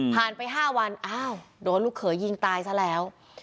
ผ่านไป๕วันโดนลูกเขยิงตายซะแล้ว